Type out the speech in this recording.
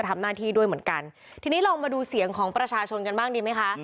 ทีนี้เรามาดูเสียงของประชาชนกันบ้างดีไหมคะ